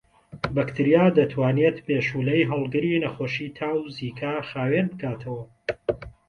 بەکتریا دەتوانێت مێشولەی هەڵگری نەخۆشیی تا و زیکا خاوێن بکاتەوە